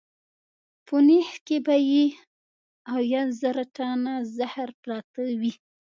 په نېښ کې به یې اویا زره ټنه زهر پراته وي.